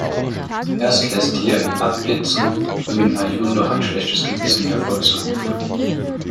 Erst lässt Diya ihn abblitzen, um in Arjun noch ein schlechtes Gewissen hervorzurufen.